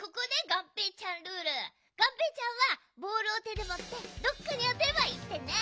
がんぺーちゃんはボールをてでもってどっかにあてれば１てんね。